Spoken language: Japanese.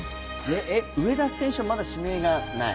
植田選手はまだ指名がない？